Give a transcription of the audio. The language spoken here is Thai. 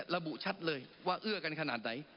ระบุชัดเลยว่าเอื้อกันขนาดไหน